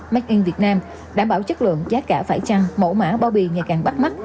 make in việt nam đảm bảo chất lượng giá cả phải chăng mẫu mã bao bì ngày càng bắt mắt